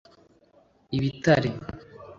ibitare